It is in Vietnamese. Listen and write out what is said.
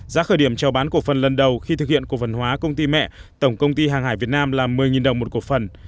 giá khởi điểm trao bán cổ phần lần đầu khi thực hiện cổ phần hóa công ty mẹ tổng công ty hàng hải việt nam là một mươi đồng một cổ phần